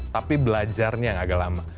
tapi belajarnya yang agak lama